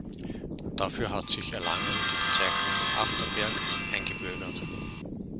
Dafür hat sich Erlangen die Bezeichnung „After-Berg“ eingebürgert.